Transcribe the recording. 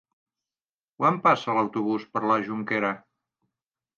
Quan passa l'autobús per la Jonquera?